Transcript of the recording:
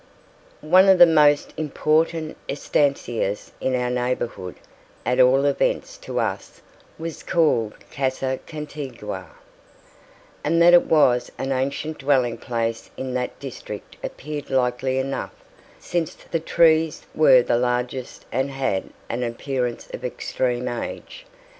One of the most important estancias in our neighbourhood, at all events to us, was called Casa Antigua, and that it was an ancient dwelling place in that district appeared likely enough, since the trees were the largest and had an appearance of extreme age.